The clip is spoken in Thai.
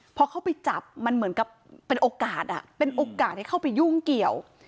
พอเข้าไปจับมันเหมือนกับเป็นโอกาสเป็นโอกาสให้เข้าไปยุ่งเกี่ยว